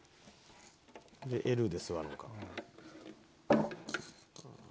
でＬで座るのか。